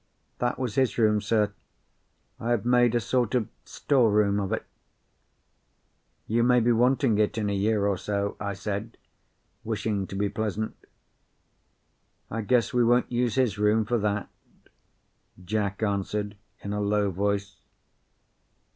"That was his room, sir. I have made a sort of store room of it." "You may be wanting it in a year or so," I said, wishing to be pleasant. "I guess we won't use his room for that," Jack answered in a low voice.